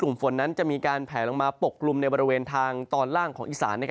ฝนนั้นจะมีการแผลลงมาปกกลุ่มในบริเวณทางตอนล่างของอีสาน